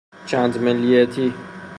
چندملیتی